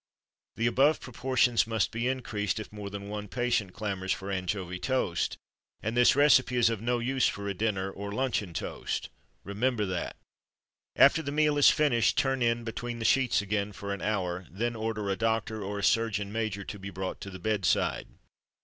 The above proportions must be increased if more than one patient clamours for anchovy toast; and this recipe is of no use for a dinner, or luncheon toast; remember that. After the meal is finished turn in between the sheets again for an hour; then order a "Doctor," or a "Surgeon Major" to be brought to the bedside.